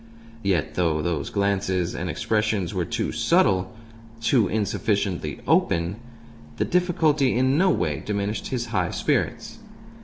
Yet, though those glances and expressions were too subtle, too insufficiently open, the difficulty in no way diminished his high spirits.